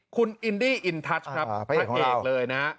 คุณอินดี้อินทัชครับพรรษเอกเลยนะอ่าพระอกริมของเรา